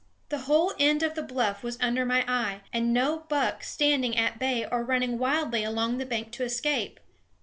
The whole end of the bluff was under my eye, and no buck standing at bay or running wildly along the bank to escape.